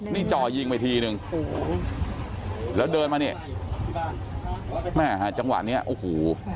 นี่จอยิงไปทีหนึ่งแล้วเดินมาเนี่ยจังหวะเนี่ยโอ้โห